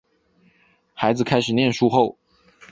孩子开始念书后